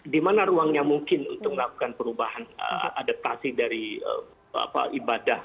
dimana ruang yang mungkin untuk melakukan perubahan adaptasi dari ibadah